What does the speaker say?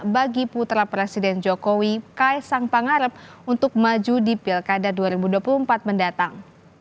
bagi putra presiden jokowi kaisang pangarep untuk maju di pilkada dua ribu dua puluh empat mendatang